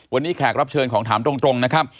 วันนี้แขกรับเชิญของถามตรงนะครับ